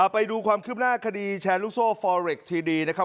ไปดูความคืบหน้าคดีแชร์ลูกโซ่ฟอเรคทีดีนะครับ